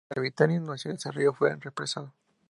Para evitar inundaciones, el río fue represado.